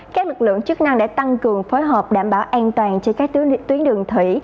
các lực lượng chức năng đã tăng cường phối hợp đảm bảo an toàn trên các tuyến đường thủy